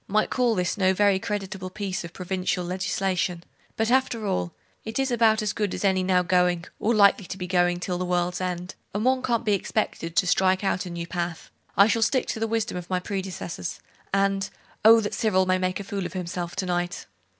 might call this no very creditable piece of provincial legislation; but after all, it is about as good as any now going, or likely to be going till the world's end; and one can't be expected to strike out a new path. I shall stick to the wisdom of my predecessors, and oh, that Cyril may make a fool of himself to night!